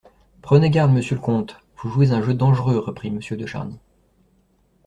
Prenez garde, monsieur le comte ! vous jouez un jeu dangereux, reprit Monsieur de Charny.